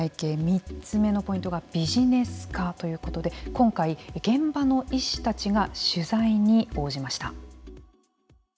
３つ目のポイントがビジネス化ということで今回、現場の医師たちが取材に応じました。